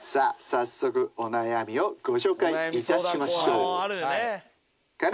早速お悩みをご紹介いたしましょう。